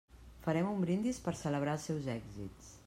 Farem un brindis per celebrar els seus èxits.